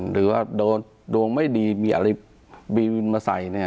หรือว่าโดนไม่ดีมีอะไรมีมาใส่